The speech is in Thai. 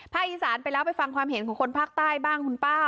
อีสานไปแล้วไปฟังความเห็นของคนภาคใต้บ้างคุณป้า